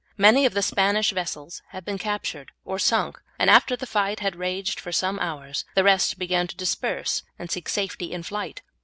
Many of the Spanish vessels had been captured or sunk, and after the fight had raged for some hours, the rest began to disperse and seek safety in flight.